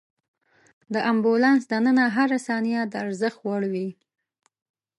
د امبولانس دننه هره ثانیه د ارزښت وړ وي.